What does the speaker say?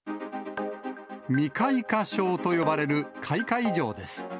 未開花症と呼ばれる開花異常です。